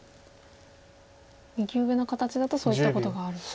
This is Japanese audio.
右上の形だとそういったことがあるんですね。